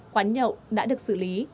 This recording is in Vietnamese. quán nhậu đã được xử lý